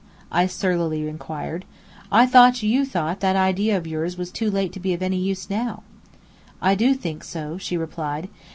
I surlily inquired. "I thought you thought that idea of yours was too late to be of any use now?" "I do think so," she replied.